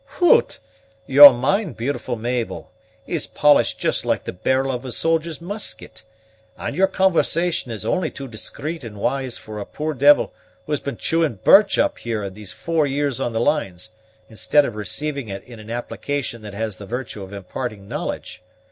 "Hoot! your mind, beautiful Mabel, is polished just like the barrel of a soldier's musket, and your conversation is only too discreet and wise for a poor d l who has been chewing birch up here these four years on the lines, instead of receiving it in an application that has the virtue of imparting knowledge.